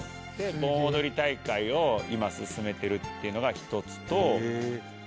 盆踊り大会を今進めてるっていうのが１つと。